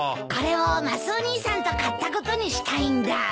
これをマスオ兄さんと買ったことにしたいんだ。